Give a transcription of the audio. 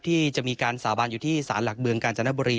ที่จะมีการสาบานอยู่ที่สารหลักเมืองกาญจนบุรี